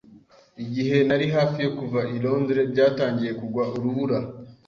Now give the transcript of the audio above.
Igihe nari hafi yo kuva i Londres, byatangiye kugwa urubura.